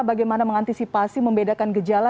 bagaimana mengantisipasi membedakan gejala